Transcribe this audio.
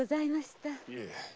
いえ。